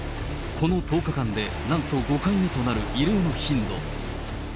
この１０日間で、なんと５回目となる異例の頻度。